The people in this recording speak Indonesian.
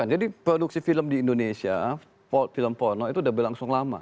jadi produksi film di indonesia film porno itu sudah berlangsung lama